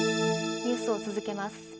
ニュースを続けます。